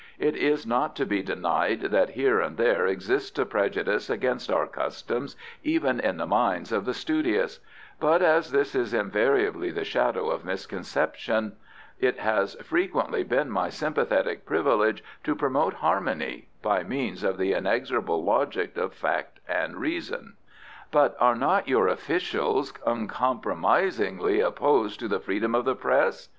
It is not to be denied that here and there exists a prejudice against our customs even in the minds of the studious; but as this is invariably the shadow of misconception, it has frequently been my sympathetic privilege to promote harmony by means of the inexorable logic of fact and reason. "But are not your officials uncompromisingly opposed to the freedom of the Press?"